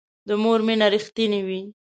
د مور مینه رښتینې وي